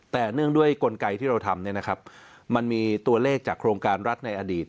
แต่เนื่องด้วยกลไกที่เราทำมันมีตัวเลขจากโครงการรัฐในอดีต